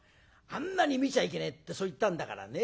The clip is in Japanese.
あんなに見ちゃいけねえってそう言ったんだからね